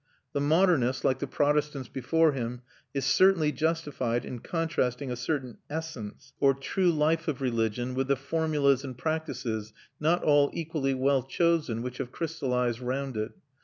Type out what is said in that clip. The modernist, like the Protestants before him, is certainly justified in contrasting a certain essence or true life of religion with the formulas and practices, not all equally well chosen, which have crystallised round it.